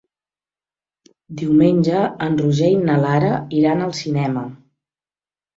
Diumenge en Roger i na Lara iran al cinema.